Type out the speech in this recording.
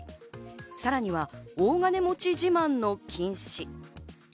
さらには大金持ち自慢の禁止。